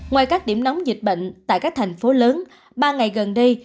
ngoài các điểm nóng dịch bệnh tại các thành phố lớn ba ngày gần đây